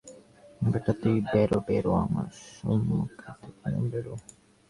বেটা, তুই বেরো, বেরো, আমার সম্মুখ হইতে এখনই বেরো।